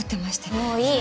もういい！